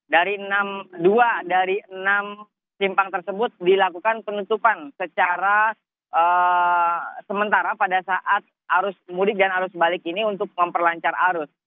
dari dua dari enam simpang tersebut dilakukan penutupan secara sementara pada saat arus mudik dan arus balik ini untuk memperlancar arus